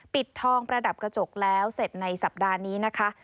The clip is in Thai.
ปิดทองประดับกระจกแล้วเสร็จในสัปดาห์นี้นะคะ